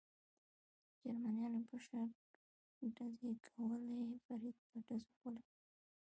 د جرمنیانو په شک ډزې کولې، فرید په ډزو ولګېد.